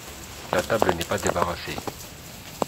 La table n’est pas débarrassée.